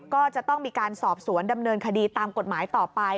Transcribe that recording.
ก็จะต้องมีการสอบสวนดำเนินคดีตามกฎหมายต่อไป